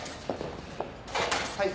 はい。